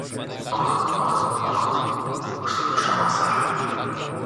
— Och… och… och! — posłyszała Sara.